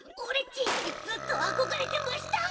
ちずっとあこがれてました！